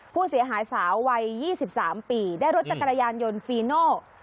ผู้เสียหายสาววัย๒๓ปีได้รถจักรยานยนต์ฟีโน่